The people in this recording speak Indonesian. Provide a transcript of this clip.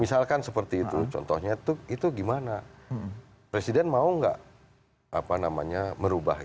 misalkan seperti itu contohnya tuh itu gimana presiden mau nggak apa namanya merubah